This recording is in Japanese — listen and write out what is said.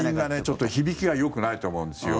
ちょっと響きがよくないと思うんですよ。